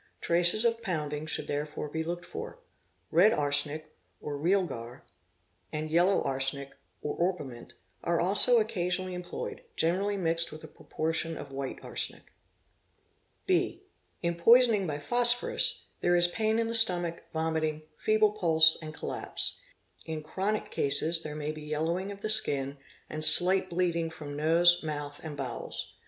Traces of pounding ould therefore be looked for. Red arsenic or realgar, and yellow isenic or orpiment, are also occasionally employed, generally mixed with } proportion of white arsenic 030 1034), | $3 658 POISONING (0) In poisoning by phosphorus there is pain in the stomach, vomiting, feeble pulse and collapse; in chronic cases there may be yellowing of the skin, and slight bleeding from nose, mouth, and bowels.